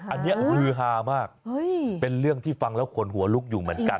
อันนี้ฮือฮามากเป็นเรื่องที่ฟังแล้วขนหัวลุกอยู่เหมือนกัน